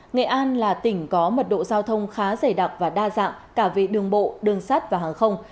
nghệ an là tỉnh có mật độ giao thông khá dày đặc và đa dạng cả về đường bộ đường sát và hàng không